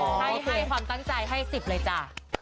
ให้ความตั้งใจให้๑๐เลยจ้ะ